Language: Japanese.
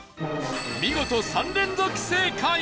見事３連続正解！